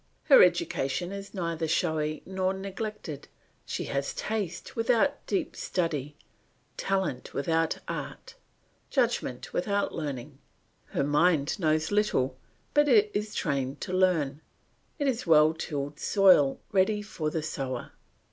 Her education is neither showy nor neglected; she has taste without deep study, talent without art, judgment without learning. Her mind knows little, but it is trained to learn; it is well tilled soil ready for the sower.